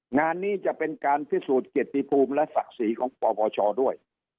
งานนี้จะเป็นการพิสูจน์เกียรติภูมิและศักดิ์ศรีของปปชด้วย